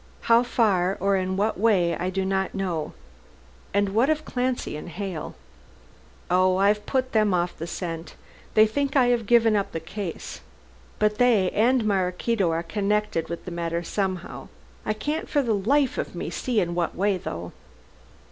How far or in what way I do not know. And what of Clancy and Hale?" "Oh, I have put them off the scent. They think I have given up the case. But they and Maraquito are connected with the matter somehow. I can't for the life of me see in what way though."